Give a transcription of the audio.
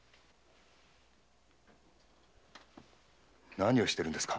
何をしてるんですか。